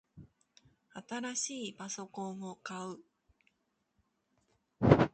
新しいパソコンを買う